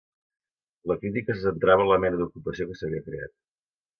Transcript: La crítica se centrava en la mena d’ocupació que s’havia creat.